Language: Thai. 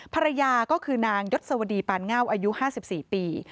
ภรรยาก็คือนางยศวดีปานเง่าอายุ๕๔ปี